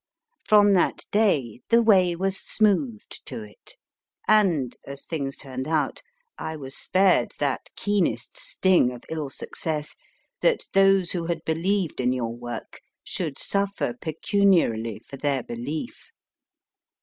From that day the way was smoothed to it, and, as things turned out, I was spared that keenest sting of ill success, that those who had believed in your work should suffer pecuniarily for their belief.